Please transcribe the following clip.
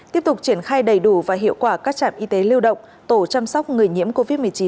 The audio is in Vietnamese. tiếp tục triển khai đầy đủ và hiệu quả các trạm y tế lưu động tổ chăm sóc người nhiễm covid một mươi chín